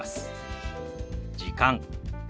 「時間」。